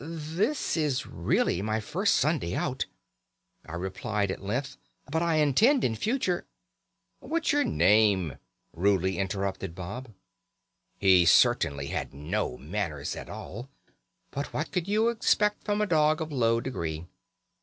'This is really my first Sunday out,' I replied at length, 'but I intend in future ' "'What's your name?' rudely interrupted Bob. "He certainly had no manners at all, but what could you expect from a dog of low degree?